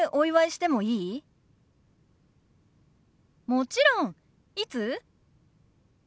もちろん。いつ？